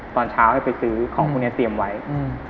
ตอนเช้าให้ไปซื้อของพวกเนี้ยเตรียมไว้อืม